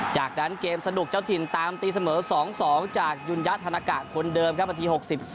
จากนั้นเกมสนุกเจ้าถิ่นตามตีเสมอ๒๒จากยุนยะธานากะคนเดิมครับนาที๖๒